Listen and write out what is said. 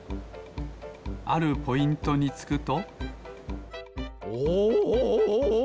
あるポイントにつくとお！